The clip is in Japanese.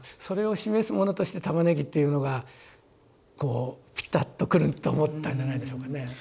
それを示すものとして「玉ねぎ」っていうのがこうぴたっとくると思ったんじゃないでしょうかね。